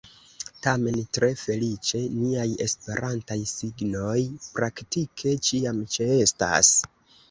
Tamen, tre feliĉe niaj esperantaj signoj praktike ĉiam ĉeestas.